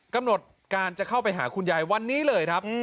กำหนดการจะเข้าไปหาคุณยายวันนี้เลยครับ